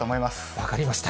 分かりました。